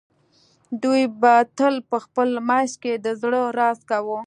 دوی به تل په خپل منځ کې د زړه راز کاوه